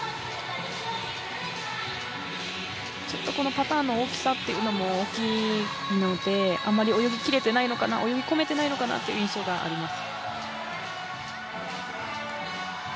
パターンの大きさというのも大きいのであまり泳ぎ切れていないのかな、泳ぎ込めていないのかなという印象があります。